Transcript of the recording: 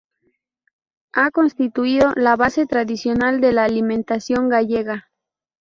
Ha constituido la base tradicional de la alimentación gallega.